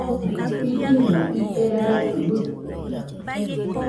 Illɨmo ite rarokɨ bɨte